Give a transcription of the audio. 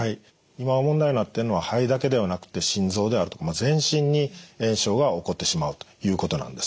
今問題になってるのは肺だけではなくて心臓であるとか全身に炎症が起こってしまうということなんです。